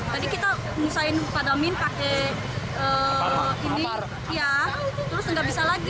tadi kita nusain padamin pakai ini ya terus nggak bisa lagi